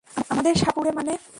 আমাদের সাপুড়ে মানে?